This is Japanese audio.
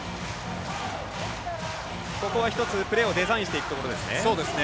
ここは１つプレーをデザインしていくところですね。